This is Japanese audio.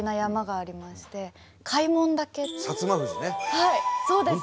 はいそうです！